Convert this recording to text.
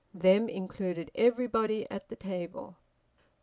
"Them" included everybody at the table.